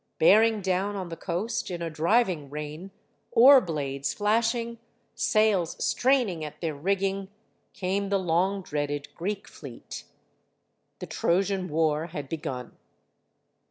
Bearing down on the coast, in a driving rain, oar blades flashing, sails straining at their rigging, came the long dreaded Greek fleet. The Trojan war had begun.